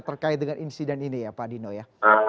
terkait dengan insiden ini ya pak dino ya